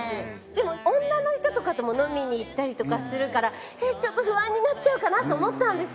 でも女の人とかとも飲みに行ったりとかするからちょっと不安になっちゃうかなと思ったんですよ。